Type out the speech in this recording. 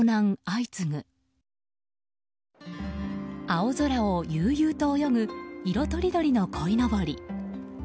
青空を悠々と泳ぐ色とりどりのこいのぼり。